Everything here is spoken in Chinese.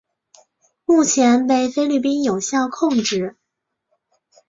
目前被菲律宾有效控制。